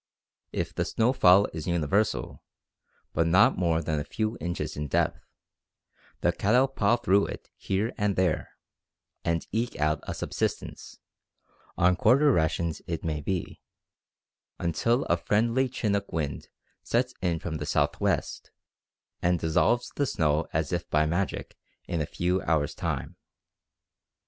If the snow fall is universal, but not more than a few inches in depth, the cattle paw through it here and there, and eke out a subsistence, on quarter rations it may be, until a friendly chinook wind sets in from the southwest and dissolves the snow as if by magic in a few hours' time.